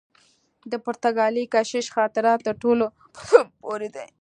د پرتګالي کشیش خاطرات تر ټولو په زړه پوري دي.